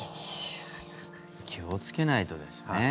気をつけないとですね。